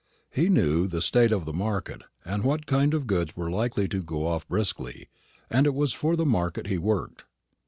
He knew the state of the market, and what kind of goods were likely to go off briskly, and it was for the market he worked.